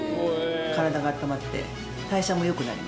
体が温まって代謝もよくなります。